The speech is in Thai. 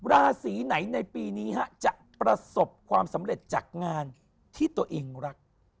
ราศีไหนในปีนี้จะประสบความสำเร็จจากงานที่ตัวเองรัก